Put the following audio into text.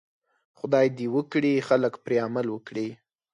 خدای دې وکړي خلک پرې عمل وکړي.